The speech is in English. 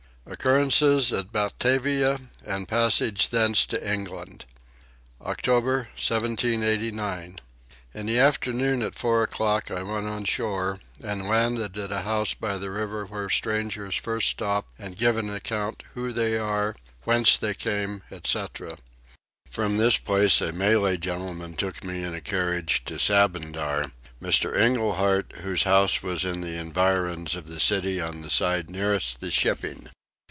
Occurrences at Batavia and Passage thence to England. OCTOBER 1789. In the afternoon at four o'clock I went on shore and landed at a house by the river where strangers first stop and give an account who they are, whence they came, etc. From this place a Malay gentleman took me in a carriage to Sabandar, Mr. Engelhard, whose house was in the environs of the city on the side nearest the shipping.